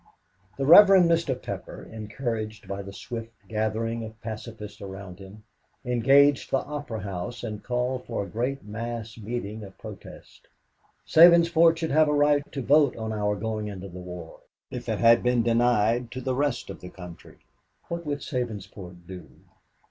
The Rev. Mr. Pepper, encouraged by the swift gathering of pacifists around him, engaged the Opera House and called for a great mass meeting of protest. Sabinsport should have a right to vote on our going into the war, if it had been denied to the rest of the country. What would Sabinsport do?